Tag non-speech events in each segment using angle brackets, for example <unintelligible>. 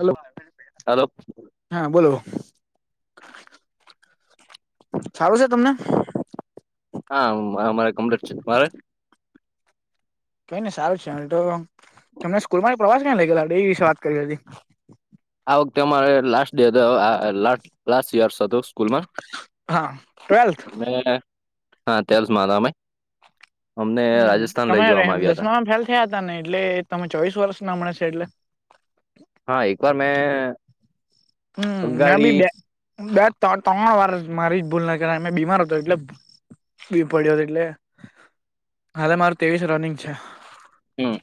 Hello hello હા બોલો સારું છે તમને? હા મારે કમ્પલેટ છે. તમારે? કઈ ને સારું છે. તો તમને સ્કૂલ માં પ્રવાસ ક લઈ ગલે તે વિશે વાત કરીવી હતી. આ વખતે અમારે લાસ્ટ ડેટ લ લાસ્ટ યર્સ હતું. સ્કૂલમાં હા ટ્વેલ્થ મેં હા તેલસ મા હતા અમે. અમને હમ રાજસ્થાન તમે લઈ જવામાં આવ્યા હતા. દસમામાં ફેલ થયા હતા ને એટલે તમે ચોવીસ વર્ષ ના હમણાં છે એટલે. હા એક વાર મેં. હમ મે બી અગાડી બે, બે - ત્રણ વાર મારી જ ભૂલ ના કર બીમાર હતો એટલે. બી પડ્યો એટલે હાલે મારું તવીસ રનિંગ છે. હમ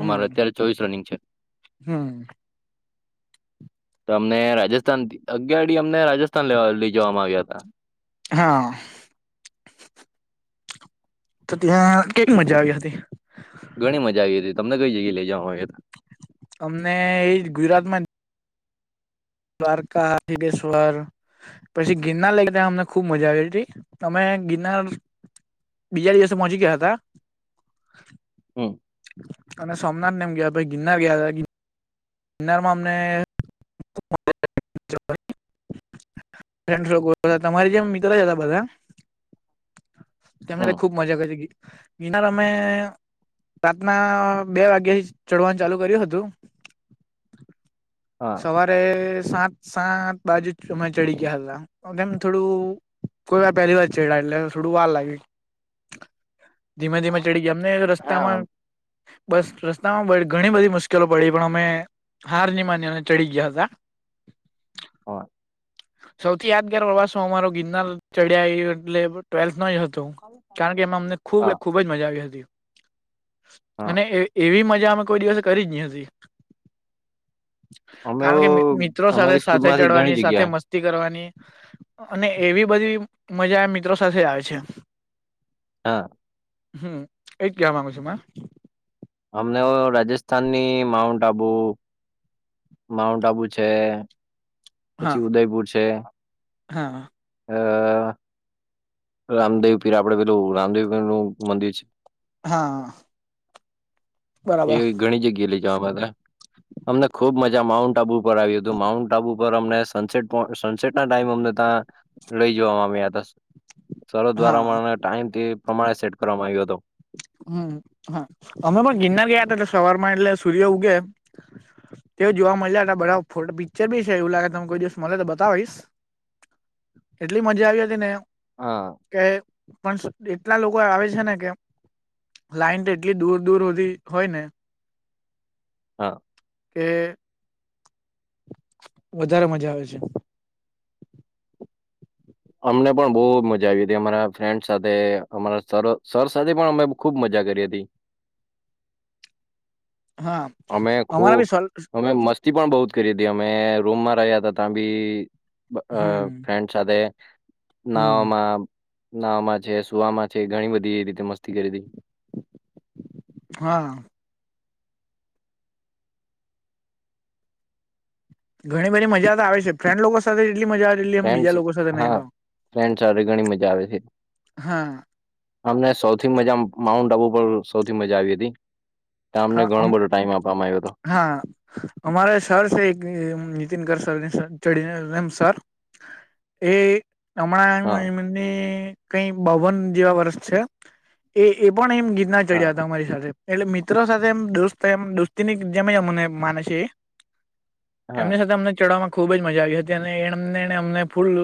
અમારે અત્યારે ચોવીસ રનિંગ છે. હમ. તો અમને રાજસ્થાન અગયડી અમને રાજસ્થાન લેવા લઈ જવામાં આવ્યા હતા. હા. તો ત્યાં કેક મજા આવી હતી. ઘણી મજા આવી હતી. તમને કઈ જગ્યા લઈ જવામાં આવ્યા અમને એ ગુજરાતમાં જ દ્વાર કા ચિત્રેજ્ઞવર. પછી ગિરનાર લઈ ત અમને ખુબ મજા આવી હતી તમે ગિરનાર. બીજા દિવસે મોહચી ગયા હતા. હમ અને સોમનાથને એમ ગયા ભાઈ ગિરનાર ગયા હતા. ગિરનામાં અમને તમા જેમ મિત્ર જ હતા બધા. તેમને હમ ખુબ મજા કર છે ગિનાર અમે રાતના બે વાગ્યા થી ચડવાનું ચાલુ કર્યું હતું. હા સવારે સાત સાત બાજુ અમે ચડી ગયા હતા કેમ થોડું. કોઈ મે પહેલી વાર ચેડા લ થોડું વાર લાગે. ધીમે ધીમે ચડી ગયા એમને હા રસ્તામાં. બસ રસ્તામાં ઘણી બધી મુશ્કેલો પડી પણ અમે હાર નીમાની ચડી ગયા હતા. હ. સૌથી યાદગાર પ્રવાસો અમારો ગિરનાર ચડ્યા એટલે ટ્વેલ્થ નો જ હતો. કારણ કે એમાં અમને ખુબ હા ખબ. ખૂબ જ મજા આવી હતી હા અને એવી મજા અમે કોઈ દિવસે કરી જ નહી હતી. અમે કારણ કે મિત્રો સાથે અમારી સ્કૂલ સાથે માંથી ઘણી ચડવાની સાથે જગ્યા મસ્તી કરવાની. અને એવી બધી મજા મિત્રો સાથે આવે છે. હા. હમ ક કયા માંગુ છે. અમને રાજસ્થાનની માઉન્ટ આબુ. માઉન્ટ આબુ છે પછી ઉદયપુર છે. હા હા. અ રામદેવ પીર આપડે પેલું રામદેવર નું મંદિર છે. હા. એ બરાબર ઘણી જગ્યા લઈ જવા બધા અમને ખુબ મજા માઉન્ટ આબુ પર આવ્યું હતું માઉન્ટ આબુ પર અમને સનસેટ સનસેટ. ટાઈમ અમને ત્યાં લઈ જવા આવ્યા હતા. સરદ હા દ્વારા મને ટાઈમ થી પ્રમાણે સેટ કરવામાં આવ્યો હતો. હમ હા અમે પણ ગિરનાર ગયા હતા એટલે સવારમાં એટલે સૂર્ય ઉગે તો જોવા મળ્યાટ બધા ફોટો પિક્ચર બી છે એવું લાગે તમ કોઈ દિવસ મળે તો બતાવીશ. કેટલી મજા આવી હતી ને. હા. કે પણ એટલા લોકો આવે છે ને કે. લાઈન તો એટલી દૂર દૂર સુી હોય ને હા કે વધારે મજા આવે છે. અમને પણ બહુ મજા આવી હતી અમારા ફ્રેન્ડ સાથે અમારા સર સાથે પણ અમે ખુબ મજા કરી હતી. હા અમે અમારા ખુબ બી સોલ અમે મસ્તી પણ બહ જ કરી હતી અમે રૂમમાં રહ્યા હતા ત્યાં બી. અ હમ ફ્રેન્ડ સાથે હમ નાવમાં ના માં છે સુમાં છે ઘણી બધી એ રીતે મસ્તી કરતી. હા ઘણી બધી મજા તો આવે છે ફ્રેન્ડ લોકો સાથે એટલી મજા એટલી એમ બીજા ફ્રે લોકો સાથે નહી હા આવે ફ્રેન્ડ ઘણી મજા આવે છે. હા અમને સૌથી મજા માઉન્ટ આબુ પર સૌથી મજા આવી હતી. મને હા ઘણો અમ બધો ટાઈમ આપવામાં આવ્યો હતો. હા અમારે સર સે છે એક નનીતિનગ સર <unintelligible> એ હા હમણાં કઈ બાવન જેવા વર્ષ છે એ એ પણ એમ ગીત. ના ચડ્યા હા હતા અમારી સાથે એટલે મિત્રો સાથે એમ દોસ્ત એ દોસ્તીની જેમ અમને માને છે એ હા એમની સાથે અમને ચડવામાં ખૂબ જ મજા આવી હતી અને એને અમને ફૂલ.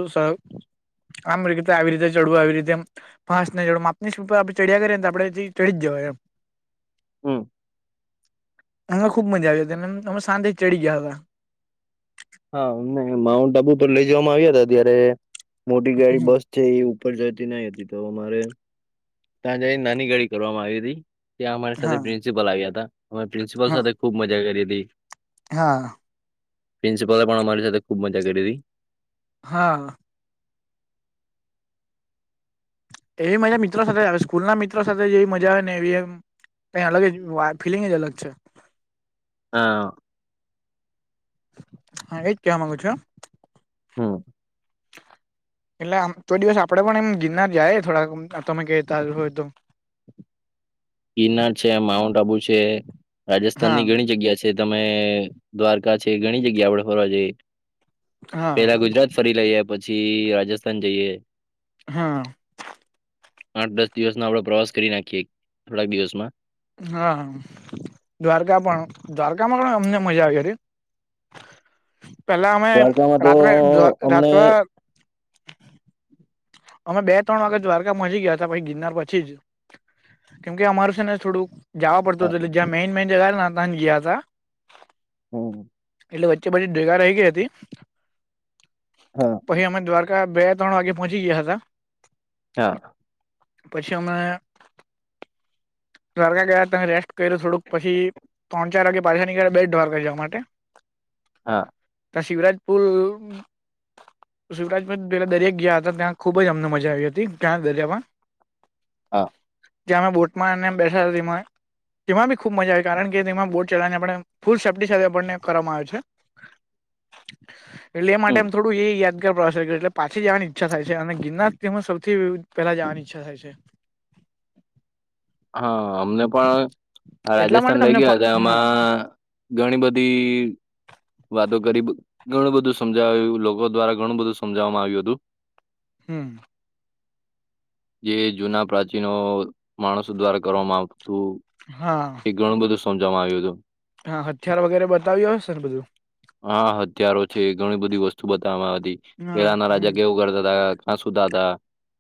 આમ રીતે આવી રીતે ચડવું આવી રીતેમ ફ નડ આપની આપણે ચડ્યા કરીએ ને આપડેથી ચડી જવાય એમ. હમ અમાં ખુબ મજા આવી તને અમે સાંજે ચડી ગયા હતા. હા અમને માઉન્ટ આબુ પર લઇ જવામાં આવ્યા હતા ત્યારે મોટી ગાડી બસ જે એ ઉપર જતી નહી હતી તો અમારે. ત્યાં જ નાની ગાડી કરવામાં આવી હતી ત્યાં અમારી સાથે હા પ્રિન્સિપલ આવ્યા હતા અમેં પ્રિન્સિપલ સાથે. ખૂબ મજા કરી હતી. હા પ્રિન્સિપાલે પણ અમારી સાથે ખુબ મજા કરી હતી. હા એવી મજા મિત્રો સાથે આવે સ્કૂલ ના મિત્રો સાથે જેવી મજા આવે ને એવીમ અયા અલગ જ ફિલિંગ જ અલગ છે. હા હા એજ કેવા માંગુ છું. હમ એટલે આમ ચ દિવસ આપડે પણ એમ ગિરનાર જાય થોડાક તમે કેતા હોય તો. ગીનાર છે, માઉન્ટ આબુ છે હા રાજસ્થાનની ઘણી જગ્યા છે. તમે દ્વારકા છે ઘણી જગ્યા આપડે ફરવા જઈ હા પેલા ગુજરાત. ફરી લઈએ પછી રાજસ્થાન જઈએ. હા આઠ દસ દિવસમાં આપડે પ્રવાસ કરી નાખીએ થોડાક દિવસમાં. હા દ્વારકા પણ દ્વારકામાં પણ અમને મજા આવે રે દ્વારકામાં તો રાત્રે અમને. રાત્રે અમે બે ત્રણ વાગે દ્વારકા મ જ ગયા હતા પછ ગિરનાર પછી જ કેમકે અમારું છે ને થોડુંક જવા પડતું હતું જ્યાં મેન મેન જગા ત ગયા હતા. હમ એટલે વચ્ચે બચી ભેગા રઈ ગઈ હતી. હ પછી અમે દ્વારકા બે ત્રણ વાગે પહોંચી ગયા હતા. હા પછી અમે દ્વારકા ગયા તમે રેસ્ટ કર્યો થોડુંક પછી ત્રણ ચાર વાગે પાછા નીકળ્યા બેટ દ્વારકા જાવા માટે હા. તા શિવરાજપુર શિવવરાજમાં પેલા દરિયા ગયા હતા ત્યાં ખુબ જ અમને મજા આવી હતી ત્યાં દરિયામાં હા. જયા અમે બોટમાં નેમ બેથા <unintelligible> તેમાં બી ખુબ મજા આવે કારણ કે તેમાં બોટ ચલાવીને આપણે ફૂલ સેફ્ટી સાથે આપણને કરવામાં આવે છે. <inaudible> એટલે એ માટે એમ થોડું એ યાદ <unintelligible> એટલે પાછી જાવાની ઈચ્છા થાય અને ગિરનારમાં સૌથી પલા જાવાની ઈચ્છ થાય છે. હા અમને પણ આ એટલા રાજસ્થાન માટે લઇ તમને ફ ગયા હતા હા એમાં ઘણી બધી વાતો કરી ઘણું બધું સમજાવ્યું લોકો દ્વારા ઘણું બધું સમજવામાં આવ્યું હતું. હમ. જે જૂના પ્રાચીનો માણ દ્વારા કરવામાં આવતું. હા. એ ઘણું બધું સમજાવામાં આવ્યું હતું. હા હથિયાર વગેરે બતાવ્યું હશે ને બધું હા હત્યારો છે‌, ઘણી બધી વસ્તુ બતાવવામાં આવતી હા પેલાના હમ રાજા કેવું કરતા તા હા સુુંતા તા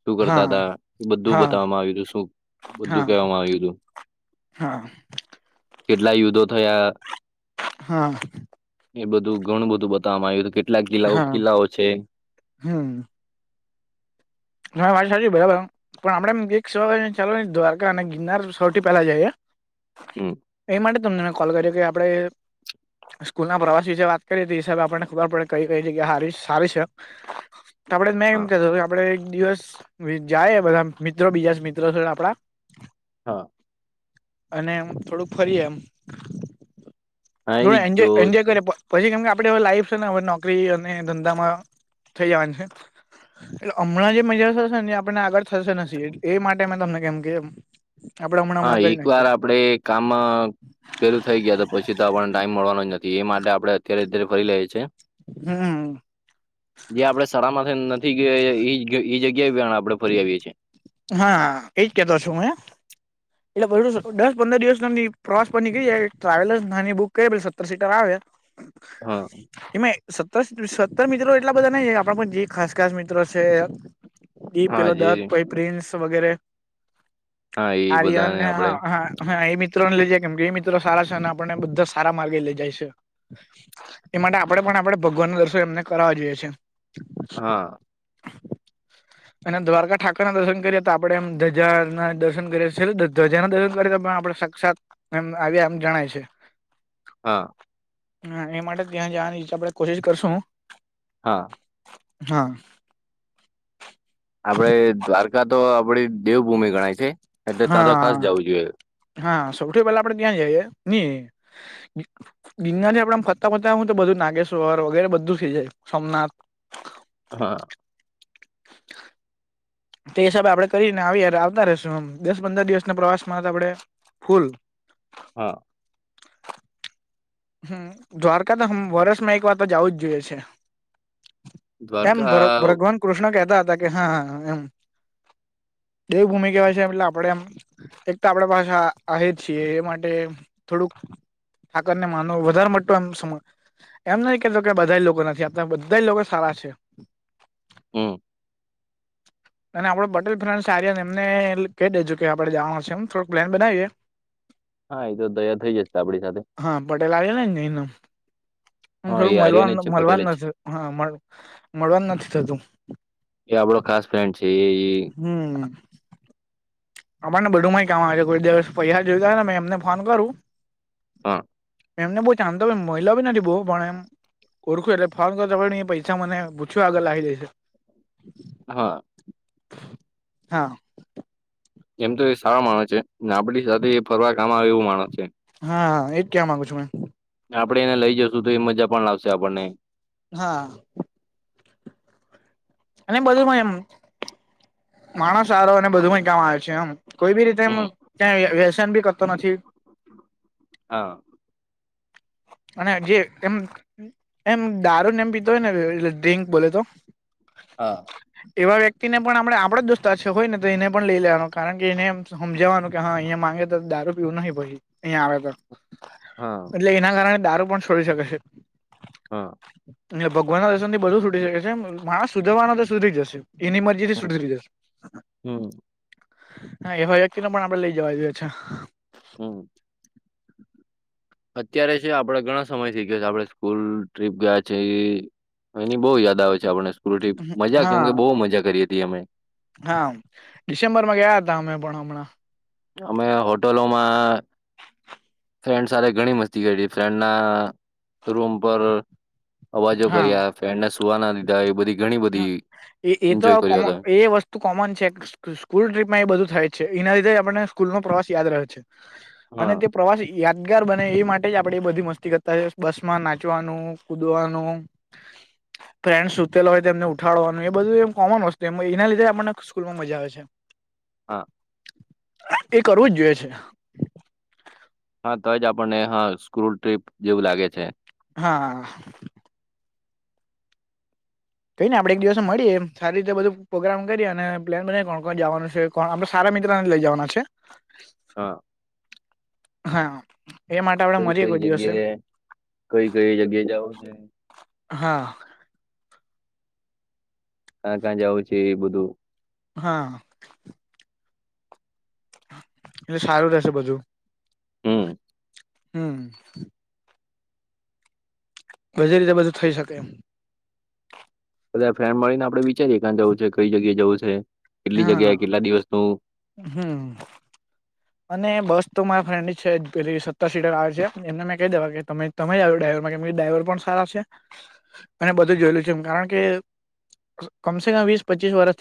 શું કરતા હા હતા એ બધું હા બતાવવામાં આવ્યું હતું‌ શું હા બધું કહેવામાં આવ્યું તું હા કેટલા યુદ્ધો થયા હા. એ બધું ઘણું બધું બતાવવામાં આવ્યું હતું કેટલાક કિલ્લાઓ હા કિલ્લાઓ છે. હમ. હા વાત સાચી બરાબર પણ આપડે એમ એક સવારે ચાલો દ્વારકા અને ગિરનાર સૌથી પહેલા જાએ હમ એ માટે તમને મેં કોલ કર્યો કે આપણેે સ્કૂલના પ્રવાસ વિશે વાત કરી હતી તે હિસાબ આપણને ખબર પડે કઈ કઈ જગ્યા હારી સારી છે. <inaudible> ત આપડે મેં એમ હા કેતો કે આપડે દિવસ જાયે બધા મિત્રો બીજા જ મિત્રો આપડા હા. અને એમ થોડુંક ફરીએ એમ હા થોડો એજ એન્જો તો એજોય કરીએ પછી કેમ કે આપડે અવે લાઈફ છે, ને અવે નોકરી અને ધંધામાં થઈ જવાની છે. એટલે અમણાં જે મજા થશે ને આપણને આગળ થશે નથી એ માટે મેં તમને કેમ કે આપડે હમણાં હા હમણાં કરી એક નાખીએ વાર આપડે કામ કર્યું થઈ ગયા તો પછી તો આપણને ટાઈમ મળવાનો જ નથી એ માટે આપણે અત્યારે અત્યારે ફરી લઈએ છે. હમ. જે આપડે શાળા માંથી નથી ગયા એ જગ્યાએ પણ આપડે ફરી આવીએ છે. હા એજ કેતો છું મે એટલે <unintelligible> દસ પંદર દિવસ નામની પ્રવાસ પર નીકળી જઈએ એક ટ્રાવેલસ જ નાની બુક <unintelligible> સતર સીટર આવે હ. એમાંય સત્તર સત્તર મિત્રો એટલા બધા નઈ આપડા પણ જે ખાસ ખાસ મિત્રો છે. દીપ હા પેલ જે દત પિન્સ વગેરે હા એ બધાને આર્યનને હ આપણે હ હ એ મિત્રો ને લઈ જાય કેમ કે એ મિત્રો સારા છે, અને આપડને બધા સારા માર્ગે લઈ જાય છે. એ માટે આપડે પણ આપણે ભગવાનનું દર્શન એમને કરવો જોઈએ છે. હા અને દ્વારકા ઠાકોર ઘણાં દર્શન કર્યે તો આપણે એમ ધજા દર્શન કરીએ છીએ ધજા દર્શન કરીએ તો પણ આપણે સાક્ષાત એમ આવ્યા આમ જણાય છે. હા હા એ માટે ત્યાં જવાની ઈચ્છા આપડે કોશિશ કરશું હા હા આપડે દ્વારકા તો આપડી દેવભૂમિ ગણાય છે. એટલે ત્યાં તો ખાસ હા. જવું જોઈએ હા સૌથી પેલા આપડે ત્યાં જઈએ <unintelligible> ગિરનારથી આપડે એમ ફરતા ફરતા હું તો બધું નાગેશ્વર વગેરે બધું થઈ જાય. સોમનાથ હા તે હિસાબે આપડે કરીને આવીએ આવતા રેશું એમ દસ પંદર દિવસ ના પ્રવાસ માં તો આપણે ફૂલ હા હમ દ્વારકા તો વર્ષમાં એક વાર તો જવું જ જોઈએ છે. એમ દ્વારકા ભગવાન કૃષ્ણ કેતા હતા કે હા એમ દેવભૂમિક કહેવાય છે એટલે આપડે એમ એક તો આપડે પાછા આહિર છીએ એ માટે થોડુંક માનવ વધારે માટે એ એમ નથી કેતો કે બધા લોકો નથી બધા લોકો સારા છે. હમ અને આપડો પટેલ ફ્રેન્ડસ એમને કહી દેજું કે આપણેે જવાનું છે એમ થોડોક પ્લાન બનાવીએ હા એ તો તૈયાર થઇ જતા આપડી સાથે હા પટેલ આવે ને ને અહીંયા હા એ થોડું આર્યને જ મળવાનું છે પટેલે મળવાનું જ હા પણ મળવાનું નથી થતું એ આપડો ખાસ ફ્રેન્ડ છે એ હમ આપણને બધુંમાં ક કેય છે કોઈ દિવસ પૈસા જોઈતા હો ને મે એમને ફોન કરું હા એમને બહુ આમ તો મળિયો ભી નથી બહુ પણ એમ ઓળખું એટલે ફોન કર ત એ પૈસા મને પૂછ્યું આગળ લાવી દઈશે હા હા એમ તો એ સારા માણસ છે ને આપડી સાથે એ ફરવા કામ આવે એવું માણસ છે. હા એમ કેવા માંગુ છું મેમ આપણે એને લઈ જશું તો એ મજા પણ લાવશે આપણને હા અને બધું એમ માણસ સારો અને બધું કઈ કામ આવે છે એમ કોઈ બી રીતે એમ હમ ક્યા વ્યસન બી કરતો નથી હા અને જે એમ એમ દારૂ ને એમ પીતો હોય ને લે ડ્રિંક બોલે તો હા એવા વ્યક્તિ ને પણ આપડણે આપડ જ દોસ્તા છે હોય ને તો એને પણ લઈ લેવાનો કારણ કે એને સમજવાનું કે હા અહિયાયા માંગે તો દારૂ પીવું નહી પછી અહીયાયા આવે તો હા એટલે એના કારણે દારૂ પણ છોડી શકે છે. હા ભગવાન ના દર્શન થી બધું છૂટી શકે છે માણસ સુધવાના સુધરી જશે એની મ સુ હમ એવા વ્યક્તિ ન પણ આપડે લઈ જવા જોઈએ છે. હમ <inaudible> અત્યારે છે આપડે ઘણા સમયથી આપણે સ્કૂલ ટ્રીપ ગયા છે. એની બહુ યાદ આવે છે આપણે સ્કૂતિ મજા કેમ હા કે બહુ મજા કરી હતી અમે. હા, ડિસેમ્બરમાં ગયા હતા અમે પણ હમણાં. અમે હોટલોમાં ફ્રેન્ડ સાથે ઘણી મસ્તી કરી ફ્રેન્ડના રૂમ પર અવાજો હા કર્યા. ફ્રેન્ડને સુવા ના દીધા એ બધી ઘણી બધી એ એ તો એન્જોય કોમ કર્યો હતો એ વસ્ તુ કોમન છે સ્કૂલ ટ્રીપમાં એ બધું થાય છે એના લીધે આપણને સ્કૂલ નો પ્રવાસ યાદ રહે છે. અને હા તે પ્રવાસી યાદગાર બને એ માટે જ આપડે બધી મસ્તી કરતા, બસ માં નાચવાનું, કુદવાનું ફ્રેન્ડ સુતેલા હોય તેમને ઉઠાવાનું એ બધું એમ કોમનસ્તુ એના લીધે આપણને સ્કૂલમાં મજા આવે છે. હા. એ કરવું જ જોઈએ છે. હા તો જ આપણને હા સ્ક્રુલ ટ્રીપ જેવું લાગે છે. હા. કઈને આપણે એક દિવસ મળીએ સારી રીતે બધું પ્રોગ્રામ કરીએ અને પ્લાન બના કોણ કોણ જવાનું છે. પણ અમે સારા મિત્ર ને લઈ જવાના છે. હા હા. એ માટે આપડે કઈ મળીએ કઈ કોઈ દિવસે જગ્યાએ, કઈ કઈ જગ્યાએ જાવું છે? હા. કા કા જાઉ છે એ બધું હા. ને સારું રેશે બધુ. હમ્મ. હમ્મ. બધી રીતે, બધું થઈ શકે એમ. બધા ફ્રેન્ડ મળીને આપડે વિચારીએ ક્યાં જવું છે, કઈ જગ્યાએ જવું છે, કેટલી જગ્યા, કેટલા દિવસનું હમ્મ. અને બસ તો મારા ફ્રેન્ડ છે પેલી સત્તર સીટર આવે છે એમને મેં કહી દેવા કે તમે તમે આવ ડ્રાઈવરમાં કેરી ડ્રાઈવર પણ સારા છે. અને બધું જોયેલું છે એમ. કારણ કે કમસે કમ વીસ પચીસ વર્ષ